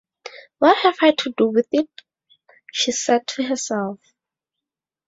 “What have I to do with it?” she said to herself.